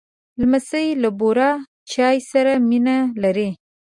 لمسی له بوره چای سره مینه لري.